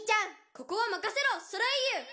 「ここはまかせろソレイユ」